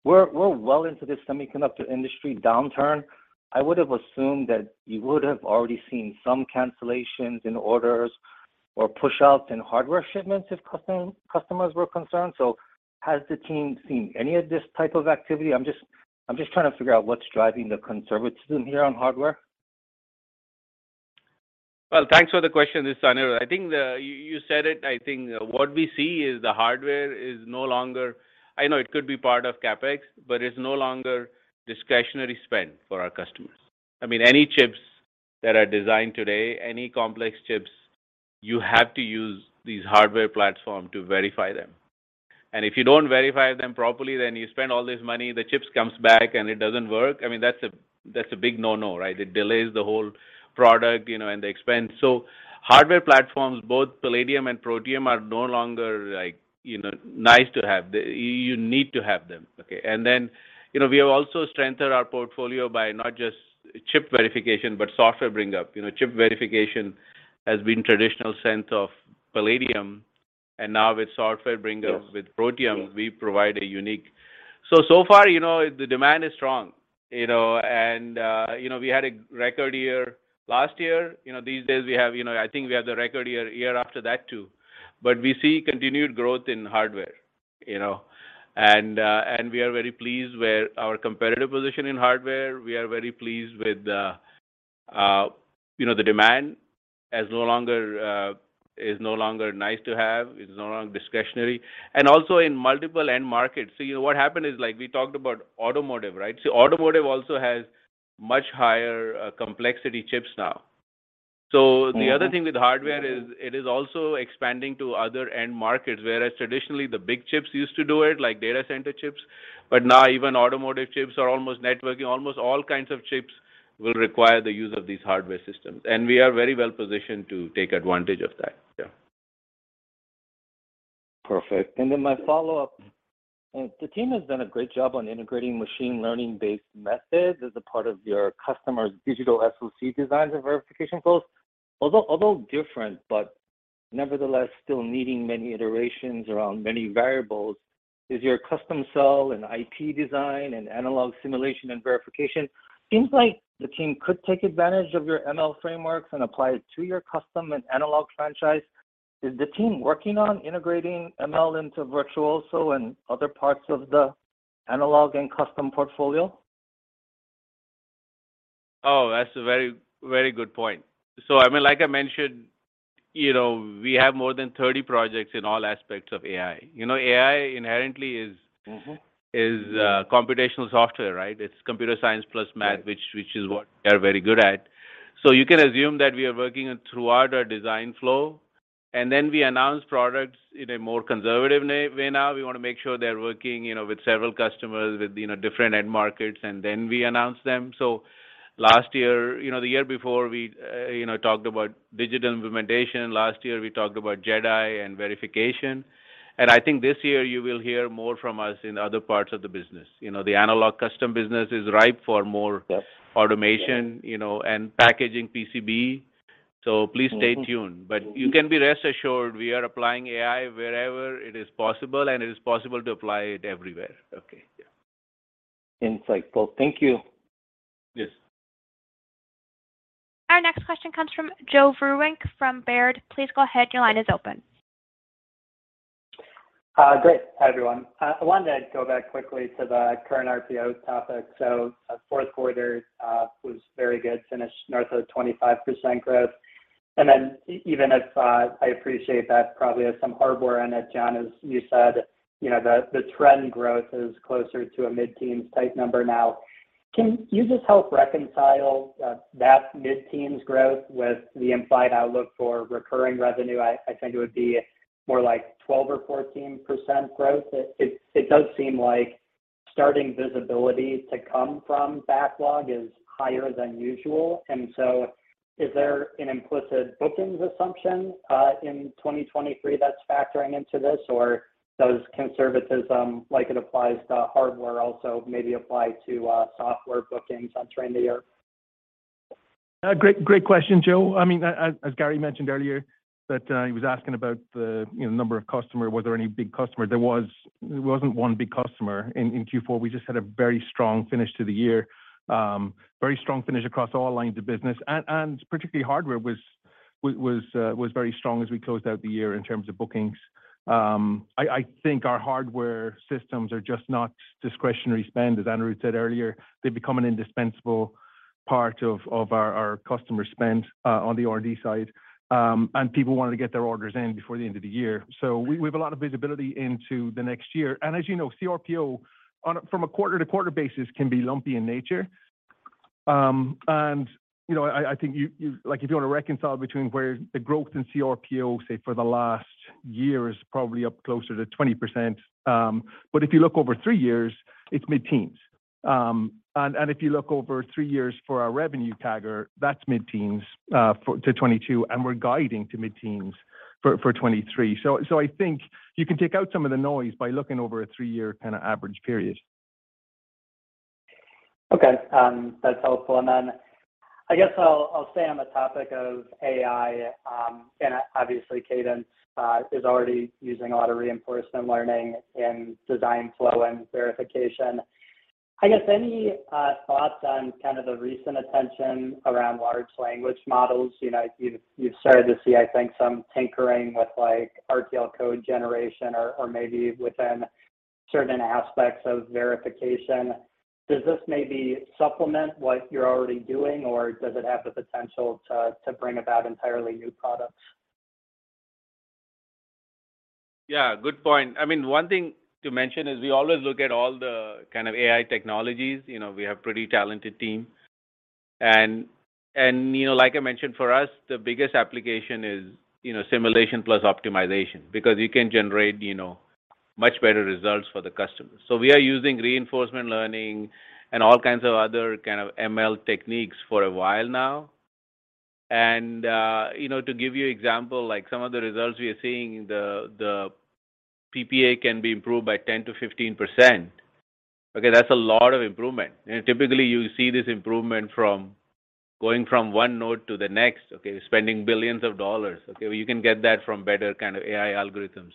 We're well into this semiconductor industry downturn. I would have assumed that you would have already seen some cancellations in orders or pushouts in hardware shipments if customers were concerned. Has the team seen any of this type of activity? I'm just trying to figure out what's driving the conservatism here on hardware. Thanks for the question. This is Anirudh. I think the, you said it. I think what we see is the hardware is no longer, I know it could be part of CapEx, but it's no longer discretionary spend for our customers. I mean, any chips that are designed today, any complex chips, you have to use these hardware platform to verify them. If you don't verify them properly, then you spend all this money, the chips comes back, and it doesn't work. I mean, that's a, that's a big no-no, right? It delays the whole product, you know, and the expense. Hardware platforms, both Palladium and Protium are no longer like, you know, nice to have. They, you need to have them, okay? Then, you know, we have also strengthened our portfolio by not just chip verification, but software bring up. You know, chip verification has been traditional sense of Palladium. Now with software bring up with Protium, we provide a unique... So far, you know, the demand is strong, you know. You know, we had a record year last year. You know, these days we have, you know, I think we have the record year after that too. We see continued growth in hardware, you know. We are very pleased with our competitive position in hardware. We are very pleased with, you know, the demand as no longer is no longer nice to have. It's no longer discretionary. Also in multiple end markets. You know, what happened is like we talked about automotive, right? Automotive also has much higher complexity chips now. The other thing with hardware is it is also expanding to other end markets, whereas traditionally the big chips used to do it, like data center chips. Now even automotive chips are almost networking. Almost all kinds of chips will require the use of these hardware systems, and we are very well positioned to take advantage of that. Yeah. Perfect. Then my follow-up. The team has done a great job on integrating machine learning-based methods as a part of your customers' digital SoC designs and verification flows. Although different but nevertheless still needing many iterations around many variables is your custom cell and IP design and analog simulation and verification. Seems like the team could take advantage of your ML frameworks and apply it to your custom and analog franchise. Is the team working on integrating ML into Virtuoso and other parts of the analog and custom portfolio? Oh, that's a very, very good point. I mean, like I mentioned, you know, we have more than 30 projects in all aspects of AI. You know, AI inherently is computational software, right? It's computer science plus math which is what we are very good at. So you can assume that we are working throughout our design flow, and then we announce products in a more conservative way now. We want to make sure they're working, you know, with several customers with, you know, different end markets, and then we announce them. Last year, you know, the year before we, you know, talked about digital implementation. Last year, we talked about JedAI and verification. I think this year you will hear more from us in other parts of the business. You know, the analog custom business is ripe for more automation, you know, and packaging PCB. Please stay tuned. You can be rest assured we are applying AI wherever it is possible, and it is possible to apply it everywhere. Okay. Yeah. Insightful. Thank you. Yes. Our next question comes from Joe Vruwink from Baird. Please go ahead. Your line is open. Great. Hi, everyone. I wanted to go back quickly to the current RPO topic. Q4 was very good, finished north of 25% growth. Even if I appreciate that probably has some hardware in it, John, as you said. You know, the trend growth is closer to a mid-teens type number now. Can you just help reconcile that mid-teens growth with the implied outlook for recurring revenue? I think it would be more like 12% or 14% growth. It does seem like starting visibility to come from backlog is higher than usual. Is there an implicit bookings assumption in 2023 that's factoring into this? Does conservatism like it applies to hardware also maybe apply to software bookings on trend the year? Great, great question, Joe. I mean, as Gary mentioned earlier that, he was asking about the, you know, number of customer. Was there any big customer? It wasn't one big customer in Q4. We just had a very strong finish to the year. Very strong finish across all lines of business. Particularly hardware was very strong as we closed out the year in terms of bookings. I think our hardware systems are just not discretionary spend, as Anirudh said earlier. They become an indispensable Part of our customer spend on the R&D side. People wanted to get their orders in before the end of the year. We have a lot of visibility into the next year. As you know, CRPO on a quarter-over-quarter basis can be lumpy in nature. You know, I think you like if you want to reconcile between where the growth in CRPO, say for the last year, is probably up closer to 20%. If you look over three years, it's mid-teens. If you look over three years for our revenue CAGR, that's mid-teens for 2022, and we're guiding to mid-teens for 2023. I think you can take out some of the noise by looking over a three-year kind of average period. Okay. That's helpful. I guess I'll stay on the topic of AI. Obviously Cadence is already using a lot of reinforcement learning in design flow and verification. I guess any thoughts on kind of the recent attention around large language models? You know, you've started to see, I think, some tinkering with like RTL code generation or maybe within certain aspects of verification. Does this maybe supplement what you're already doing, or does it have the potential to bring about entirely new products? Yeah, good point. I mean, one thing to mention is we always look at all the kind of AI technologies. You know, we have pretty talented team. And you know, like I mentioned, for us, the biggest application is, you know, simulation plus optimization because you can generate, you know, much better results for the customers. We are using reinforcement learning and all kinds of other kind of ML techniques for a while now. You know, to give you example, like some of the results we are seeing, the PPA can be improved by 10%-15%, okay? That's a lot of improvement. Typically you see this improvement from going from 1 node to the next, okay? Spending billions of dollars, okay? You can get that from better kind of AI algorithms.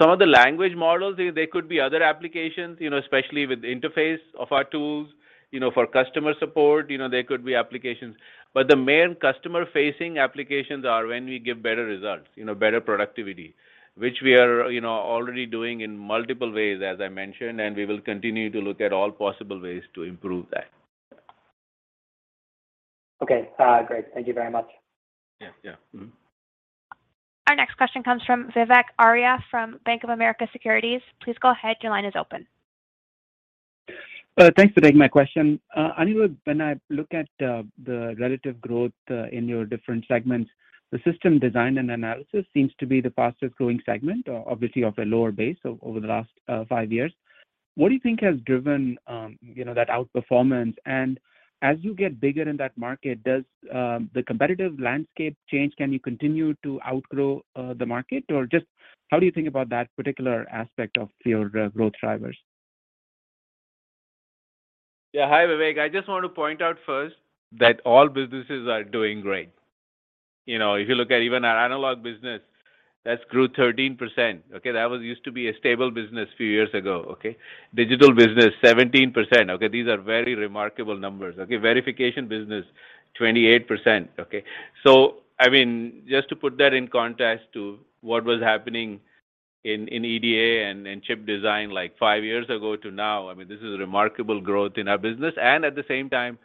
Some of the language models, there could be other applications, you know, especially with the interface of our tools, you know, for customer support, you know, there could be applications. The main customer-facing applications are when we give better results, you know, better productivity, which we are, you know, already doing in multiple ways, as I mentioned, and we will continue to look at all possible ways to improve that. Okay. Great. Thank you very much. Yeah. Yeah. Our next question comes from Vivek Arya from Bank of America Securities. Please go ahead. Your line is open. Thanks for taking my question. Anirudh, when I look at the relative growth in your different segments, the system design and analysis seems to be the fastest-growing segment or obviously of a lower base over the last five years. What do you think has driven, you know, that outperformance? As you get bigger in that market, does the competitive landscape change? Can you continue to outgrow the market? Just how do you think about that particular aspect of your growth drivers? Yeah. Hi, Vivek. I just want to point out first that all businesses are doing great. You know, if you look at even our analog business, that's grew 13%, okay? That was used to be a stable business few years ago, okay? Digital business, 17%, okay? These are very remarkable numbers, okay? Verification business, 28%, okay? I mean, just to put that in context to what was happening in EDA and chip design like 5 years ago to now, I mean, this is remarkable growth in our business and at the same time,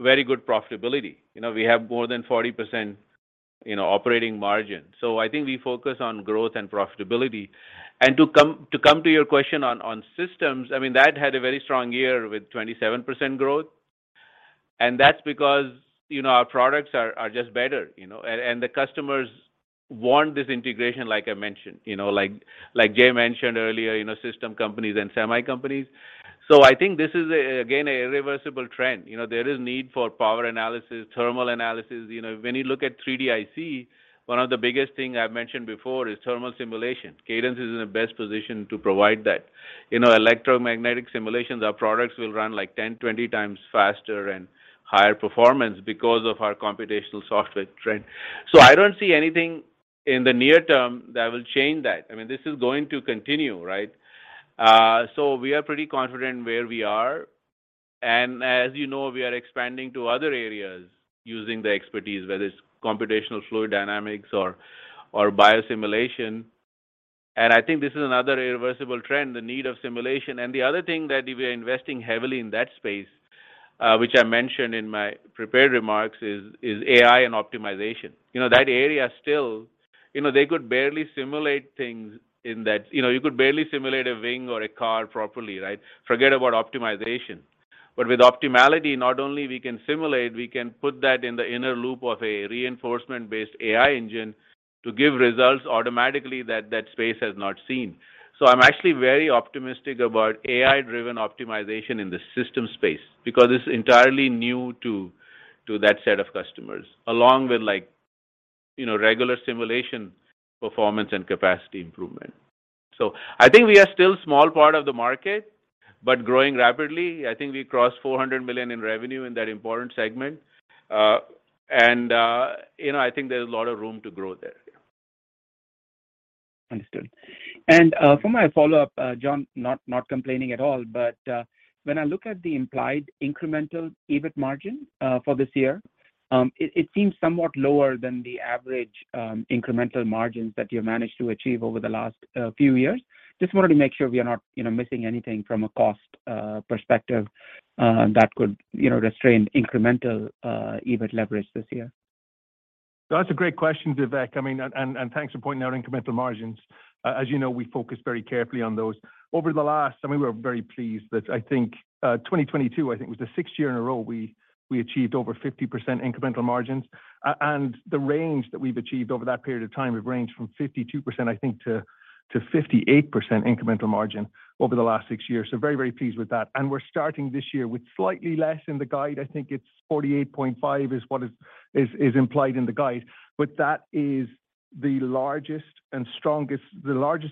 very good profitability. You know, we have more than 40%, you know, operating margin. I think we focus on growth and profitability. To come to your question on systems, I mean, that had a very strong year with 27% growth, that's because, you know, our products are just better, you know? The customers want this integration like I mentioned. You know, like Jay mentioned earlier, you know, system companies and semi companies. I think this is a, again, an irreversible trend. You know, there is need for power analysis, thermal analysis. You know, when you look at 3D IC, one of the biggest thing I've mentioned before is thermal simulation. Cadence is in the best position to provide that. You know, electromagnetic simulations, our products will run like 10, 20 times faster and higher performance because of our computational software trend. I don't see anything in the near term that will change that. I mean, this is going to continue, right? So we are pretty confident where we are, as you know, we are expanding to other areas using the expertise, whether it's computational fluid dynamics or biosimulation. I think this is another irreversible trend, the need of simulation. The other thing that we are investing heavily in that space, which I mentioned in my prepared remarks, is AI and optimization. You know, that area still, you know, they could barely simulate things in that. You know, you could barely simulate a wing or a car properly, right? Forget about optimization. With Optimality, not only we can simulate, we can put that in the inner loop of a reinforcement-based AI engine to give results automatically that that space has not seen. I'm actually very optimistic about AI-driven optimization in the system space because it's entirely new to that set of customers, along with like, you know, regular simulation performance and capacity improvement. I think we are still small part of the market, but growing rapidly. I think we crossed $400 million in revenue in that important segment. You know, I think there's a lot of room to grow there. Understood. For my follow-up, John, not complaining at all, but, when I look at the implied incremental EBIT margin, for this year it seems somewhat lower than the average incremental margins that you managed to achieve over the last few years. Just wanted to make sure we are not, you know, missing anything from a cost perspective that could, you know, restrain incremental EBIT leverage this year. That's a great question, Vivek. I mean, thanks for pointing out incremental margins. As you know, we focus very carefully on those. We're very pleased that I think 2022, I think it was the 6th year in a row we achieved over 50% incremental margins. And the range that we've achieved over that period of time have ranged from 52%, I think to 58% incremental margin over the last six years. Very, very pleased with that. We're starting this year with slightly less in the guide. I think it's 48.5% is what is implied in the guide. That is the largest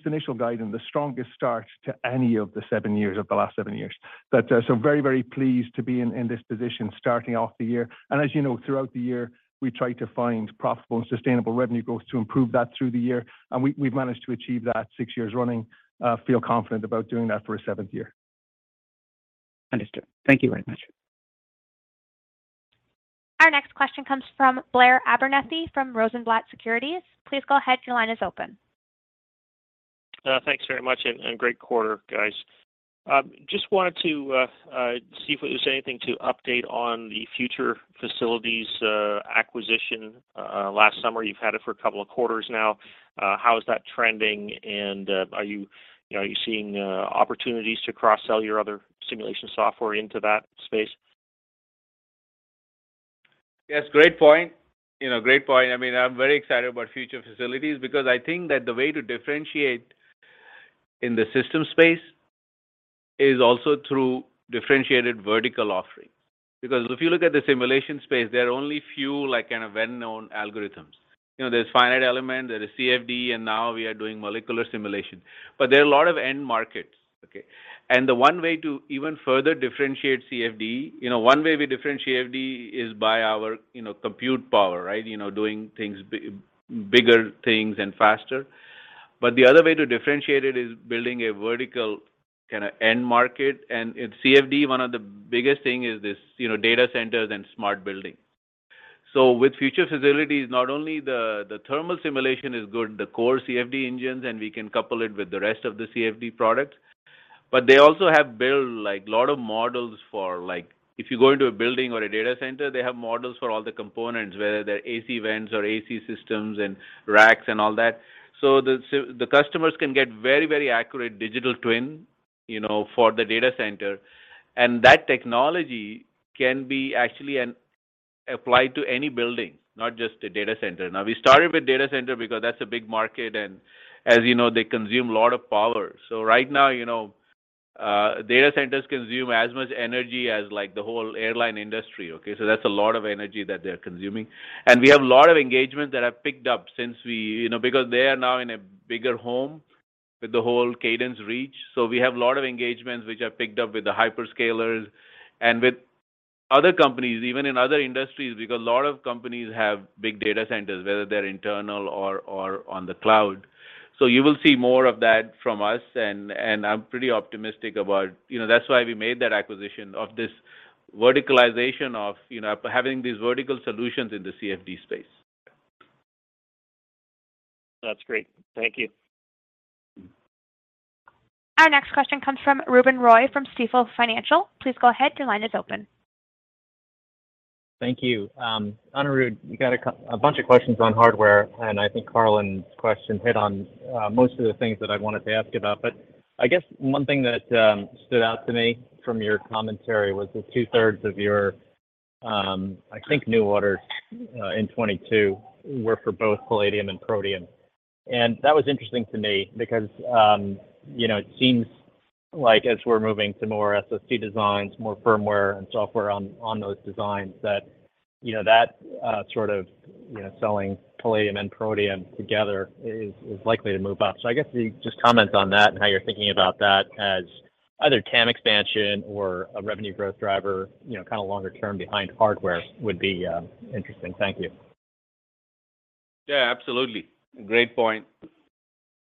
initial guide and the strongest start to any of the seven years, of the last seven years. Very pleased to be in this position starting off the year. As you know, throughout the year, we try to find profitable and sustainable revenue growth to improve that through the year, and we've managed to achieve that six years running. Feel confident about doing that for a seventh year. Understood. Thank you very much. Our next question comes from Blair Abernethy from Rosenblatt Securities. Please go ahead, your line is open. Thanks very much, and great quarter, guys. Just wanted to see if there was anything to update on the Future Facilities acquisition last summer. You've had it for a couple of quarters now. How is that trending, and are you know, seeing opportunities to cross-sell your other simulation software into that space? Yes, great point. You know, great point. I mean, I'm very excited about Future Facilities because I think that the way to differentiate in the system space is also through differentiated vertical offerings. If you look at the simulation space, there are only few like kind of well-known algorithms. You know, there's finite element, there is CFD, and now we are doing molecular simulation. There are a lot of end markets, okay? The one way to even further differentiate CFD, you know, one way we differentiate CFD is by our, you know, compute power, right? You know, doing things bigger things and faster. The other way to differentiate it is building a vertical kind of end market. In CFD, one of the biggest thing is this, you know, data centers and smart building. With Future Facilities, not only the thermal simulation is good, the core CFD engines, and we can couple it with the rest of the CFD products, but they also have built like lot of models for like if you go into a building or a data center, they have models for all the components, whether they're AC vents or AC systems and racks and all that. The customers can get very, very accurate digital twin, you know, for the data center. That technology can be actually applied to any building, not just the data center. We started with data center because that's a big market, and as you know, they consume a lot of power. Right now, you know, data centers consume as much energy as like the whole airline industry, okay. That's a lot of energy that they're consuming. We have a lot of engagements that have picked up since we, you know, because they are now in a bigger home with the whole Cadence reach. We have a lot of engagements which have picked up with the hyperscalers and with other companies, even in other industries, because a lot of companies have big data centers, whether they're internal or on the cloud. You will see more of that from us, and I'm pretty optimistic about, you know, that's why we made that acquisition of this verticalization of, you know, having these vertical solutions in the CFD space. That's great. Thank you. Our next question comes from Ruben Roy from Stifel Financial. Please go ahead, your line is open. Thank you. Anirudh, you got a bunch of questions on hardware, I think Harlan's question hit on most of the things that I wanted to ask about. I guess one thing that stood out to me from your commentary was that two-thirds of your I think new orders in 2022 were for both Palladium and Protium. That was interesting to me because, you know, it seems like as we're moving to more SoC designs, more firmware and software on those designs, that, you know, that sort of, you know, selling Palladium and Protium together is likely to move up. I guess if you could just comment on that and how you're thinking about that as either TAM expansion or a revenue growth driver, you know, kind of longer term behind hardware would be interesting. Thank you. Absolutely. Great point.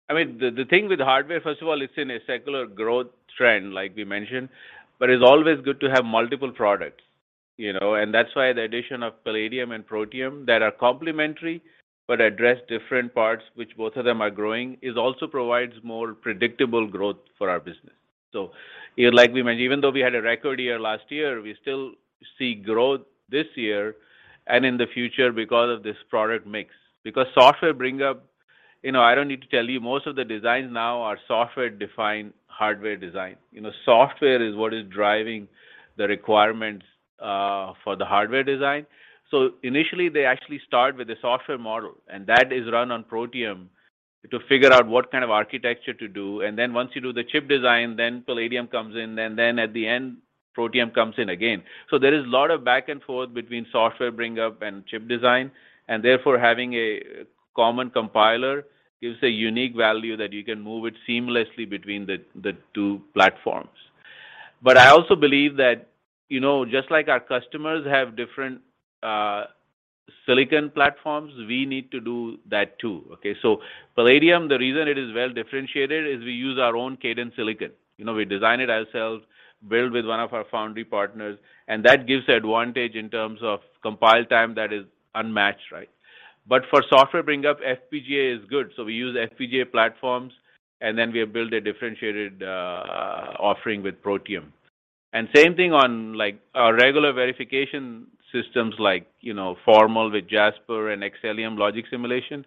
I mean, the thing with hardware, first of all, it's in a secular growth trend, like we mentioned, but it's always good to have multiple products, you know? That's why the addition of Palladium and Protium that are complementary but address different parts, which both of them are growing, is also provides more predictable growth for our business. You know, like we mentioned, even though we had a record year last year, we still see growth this year and in the future because of this product mix. Software bring up, you know, I don't need to tell you, most of the designs now are software-defined hardware design. You know, software is what is driving the requirements for the hardware design. Initially, they actually start with the software model, and that is run on Protium to figure out what kind of architecture to do. Once you do the chip design, then Palladium comes in, and then at the end, Protium comes in again. There is a lot of back and forth between software bring up and chip design, and therefore having a common compiler gives a unique value that you can move it seamlessly between the two platforms. I also believe that, you know, just like our customers have different Silicon platforms, we need to do that too. Palladium, the reason it is well differentiated is we use our own Cadence silicon. You know, we design it ourselves, build with one of our foundry partners, and that gives the advantage in terms of compile time that is unmatched, right? For software bring up, FPGA is good. We use FPGA platforms, and then we build a differentiated offering with Protium. Same thing on, like, our regular verification systems like, you know, Formal with Jasper and Xcelium logic simulation.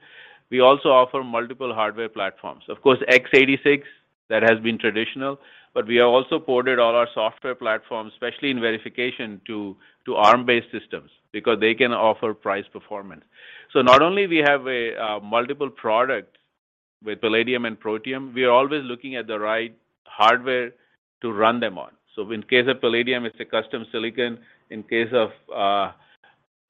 We also offer multiple hardware platforms. Of course, x86, that has been traditional, but we have also ported all our software platforms, especially in verification, to Arm-based systems because they can offer price performance. Not only we have a multiple product with Palladium and Protium, we are always looking at the right hardware to run them on. In case of Palladium, it's a custom silicon. In case of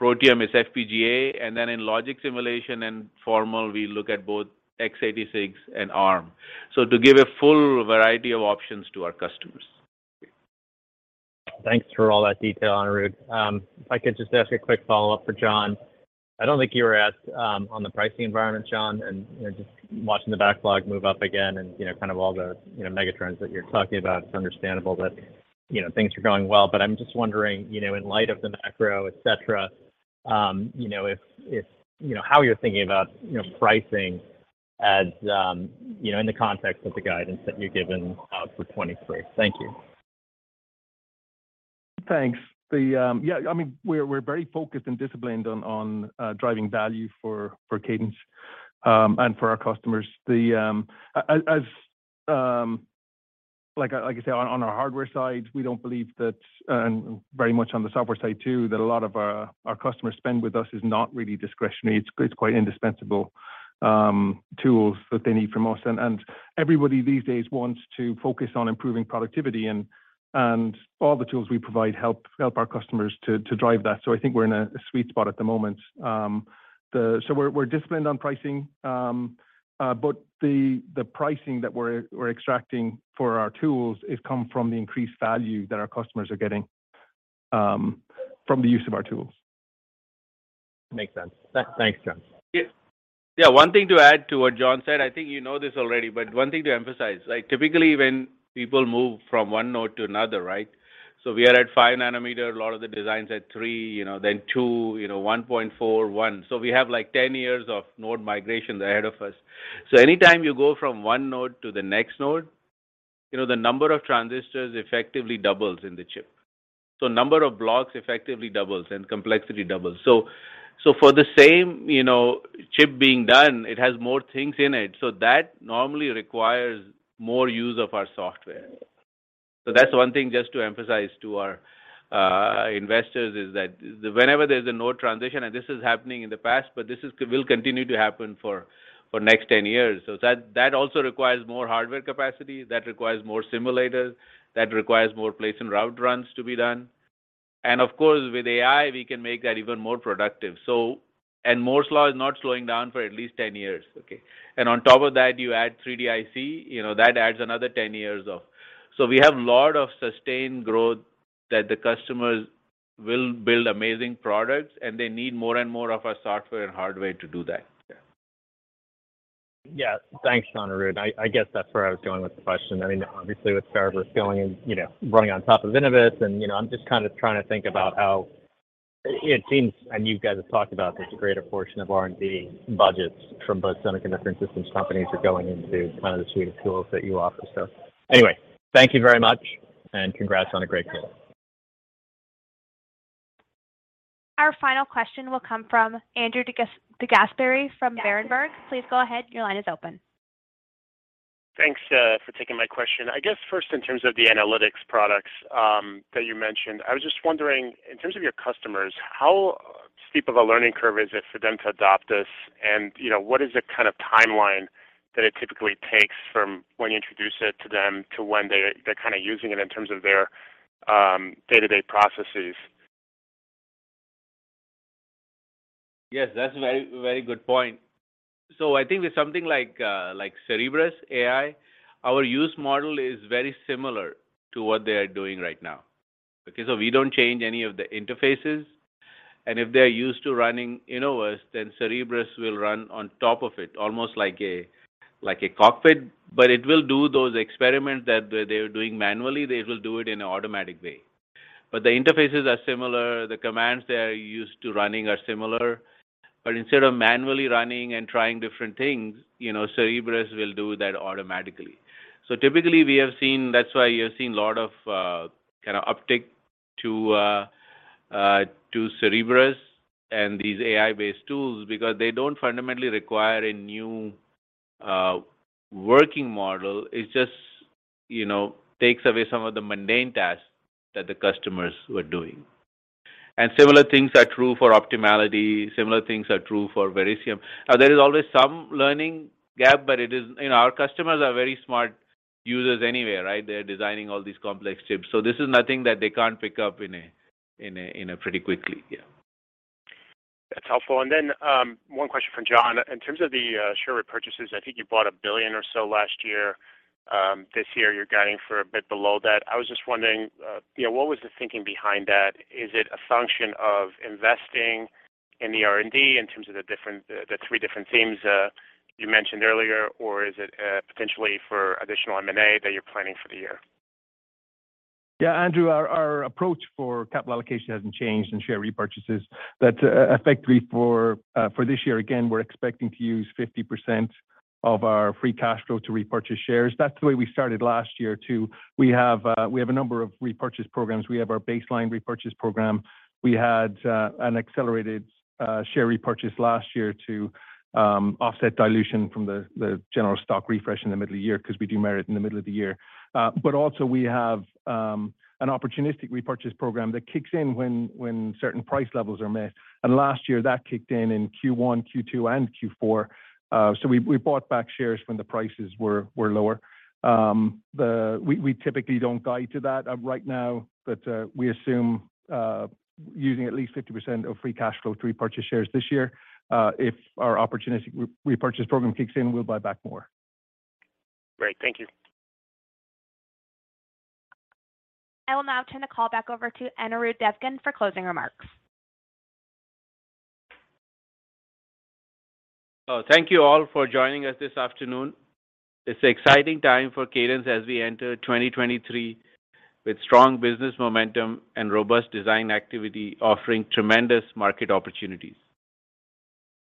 Protium, it's FPGA. In logic simulation and formal, we look at both x86 and Arm. To give a full variety of options to our customers. Thanks for all that detail, Anirudh. If I could just ask a quick follow-up for John. I don't think you were asked, on the pricing environment, John, and, you know, just watching the backlog move up again and, you know, kind of all the, you know, megatrends that you're talking about, it's understandable that, you know, things are going well. I'm just wondering, you know, in light of the macro, et cetera, you know, if, you know, how you're thinking about, you know, pricing as, you know, in the context of the guidance that you've given, for 2023. Thank you. Thanks. I mean, we're very focused and disciplined on driving value for Cadence and for our customers. As like I said, on our hardware side, we don't believe that, and very much on the software side too, that a lot of our customers spend with us is not really discretionary. It's quite indispensable tools that they need from us. Everybody these days wants to focus on improving productivity, and all the tools we provide help our customers to drive that. I think we're in a sweet spot at the moment. We're disciplined on pricing, but the pricing that we're extracting for our tools, it come from the increased value that our customers are getting, from the use of our tools. Makes sense. Thanks, John. Yeah, one thing to add to what John said, I think you know this already. One thing to emphasize. Like, typically when people move from one node to another, right? We are at 5 nanometer, a lot of the designs at 3, you know, then 2, you know, 1.4, 1. We have, like, 10 years of node migrations ahead of us. Anytime you go from one node to the next node, you know, the number of transistors effectively doubles in the chip. Number of blocks effectively doubles and complexity doubles. For the same, you know, chip being done, it has more things in it. That normally requires more use of our software. That's one thing just to emphasize to our investors, is that whenever there's a node transition, and this will continue to happen for next 10 years. That also requires more hardware capacity, that requires more simulators, that requires more place and route runs to be done. Of course, with AI, we can make that even more productive. Moore's law is not slowing down for at least 10 years, okay? On top of that, you add 3D IC, you know, that adds another 10 years of. We have lot of sustained growth that the customers will build amazing products, and they need more and more of our software and hardware to do that. Yeah. Thanks, Anirudh. I guess that's where I was going with the question. I mean, obviously with Cerebrus going and, you know, running on top of Innovus and, you know, I'm just kind of trying to think about how it seems, and you guys have talked about this, a greater portion of R&D budgets from both semiconductor and systems companies are going into kind of the suite of tools that you offer. Anyway, thank you very much, and congrats on a great quarter. Our final question will come from Andrew DeGasperi from Berenberg. Please go ahead, your line is open. Thanks for taking my question. I guess first in terms of the analytics products that you mentioned, I was just wondering, in terms of your customers, how steep of a learning curve is it for them to adopt this? You know, what is the kind of timeline that it typically takes from when you introduce it to them to when they're kind of using it in terms of their day-to-day processes? That's very, very good point. I think with something like Cerebrus AI, our use model is very similar to what they are doing right now. Okay? We don't change any of the interfaces, and if they're used to running Innovus, then Cerebrus will run on top of it, almost like a cockpit, but it will do those experiments that they were doing manually, they will do it in an automatic way. The interfaces are similar, the commands they are used to running are similar, but instead of manually running and trying different things, you know, Cerebrus will do that automatically. Typically, that's why you have seen lot of kind of uptick to Cerebrus and these AI-based tools, because they don't fundamentally require a new working model. It just, you know, takes away some of the mundane tasks that the customers were doing. Similar things are true for Optimality, similar things are true for Verisium. Now, there is always some learning gap, but You know, our customers are very smart users anyway, right? They're designing all these complex chips. This is nothing that they can't pick up in a pretty quickly. Yeah. That's helpful. One question for John. In terms of the share repurchase, I think you bought $1 billion or so last year. This year you're guiding for a bit below that. I was just wondering, you know, what was the thinking behind that? Is it a function of investing in the R&D in terms of the three different themes, you mentioned earlier? Or is it potentially for additional M&A that you're planning for the year? Yeah, Andrew, our approach for capital allocation hasn't changed and share repurchases. That effectively for this year, again, we're expecting to use 50% of our free cash flow to repurchase shares. That's the way we started last year, too. We have a number of repurchase programs. We have our baseline repurchase program. We had an accelerated share repurchase last year to offset dilution from the general stock refresh in the middle of the year because we do merit in the middle of the year. But also we have an opportunistic repurchase program that kicks in when certain price levels are met. Last year, that kicked in in Q1, Q2, and Q4. So we bought back shares when the prices were lower. The... We typically don't guide to that right now, but we assume using at least 50% of free cash flow to repurchase shares this year. If our opportunistic repurchase program kicks in, we'll buy back more. Great. Thank you. I will now turn the call back over to Anirudh Devgan for closing remarks. Oh, thank you all for joining us this afternoon. It's an exciting time for Cadence as we enter 2023 with strong business momentum and robust design activity offering tremendous market opportunities.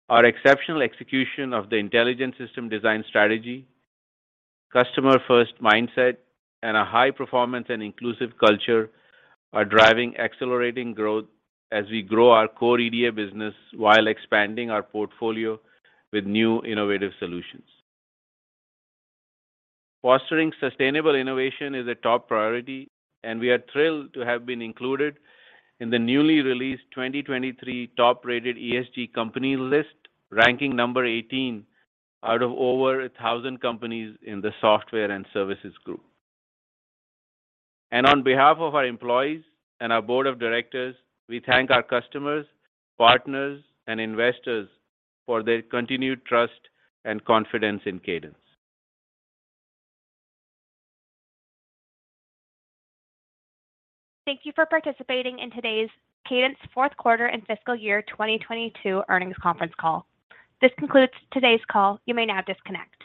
Our exceptional execution of the Intelligent System Design strategy, customer first mindset, and a high performance and inclusive culture are driving accelerating growth as we grow our core EDA business while expanding our portfolio with new innovative solutions. Fostering sustainable innovation is a top priority. We are thrilled to have been included in the newly released 2023 top-rated ESG company list, ranking 18 out of over 1,000 companies in the software and services group. On behalf of our employees and our board of directors, we thank our customers, partners, and investors for their continued trust and confidence in Cadence. Thank you for participating in today's Cadence Q4 and fiscal year 2022 earnings conference call. This concludes today's call. You may now disconnect.